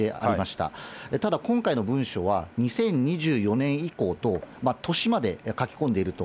ただ、今回の文書は、２０２４年以降と、年まで書き込んでいると。